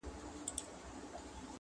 د شیدو پر ویاله ناسته سپینه حوره -